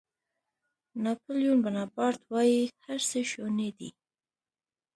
ناپیلیون بناپارټ وایي هر څه شوني دي.